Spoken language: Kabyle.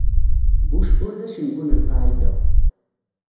Bush ur d acengu n Lqaɛida.